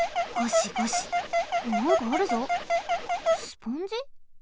スポンジ？